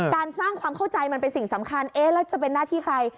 การสร้างความเข้าใจมันเป็นสิ่งสำคัญเอ๊ะแล้วจะเป็นหน้าที่ใคร